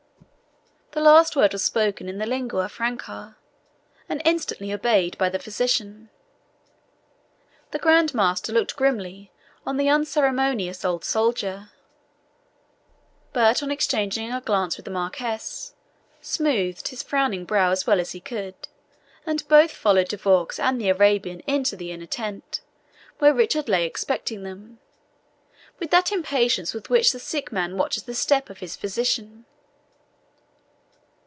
The last word was spoken in the lingua franca, and instantly obeyed by the physician. The Grand Master looked grimly on the unceremonious old soldier, but, on exchanging a glance with the Marquis, smoothed his frowning brow as well as he could, and both followed De Vaux and the Arabian into the inner tent, where Richard lay expecting them, with that impatience with which the sick man watches the step of his physician.